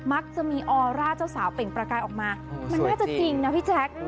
มักจะมีออร่าเจ้าสาวเปล่งประกายออกมามันน่าจะจริงนะพี่แจ๊ค